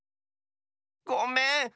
ごめん。